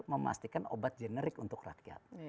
memastikan obat generik untuk rakyat